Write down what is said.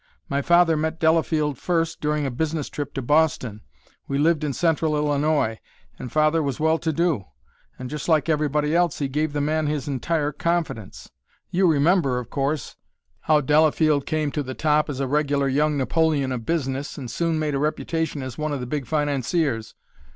My father met Delafield first during a business trip to Boston we lived in central Illinois, and father was well to do and, just like everybody else, he gave the man his entire confidence. You remember, of course, how Delafield came to the top as a regular young Napoleon of business, and soon made a reputation as one of the big financiers.